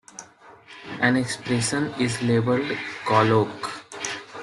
An expression is labeled colloq.